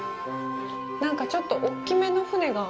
なんか、ちょっと大きめの舟が